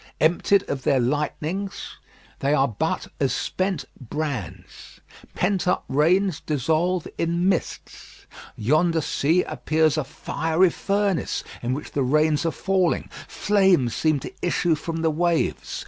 Emptied of their lightnings, they are but as spent brands. Pent up rains dissolve in mists. Yonder sea appears a fiery furnace in which the rains are falling: flames seem to issue from the waves.